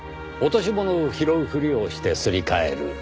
落とし物を拾うふりをしてすり替える。